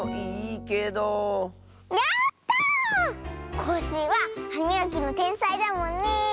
コッシーははみがきのてんさいだもんねえ。